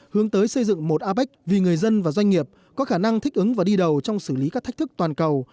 hướng tới xây dựng một apec vì người dân và doanh nghiệp có khả năng thích ứng và đi đầu trong xử lý các thách thức toàn cầu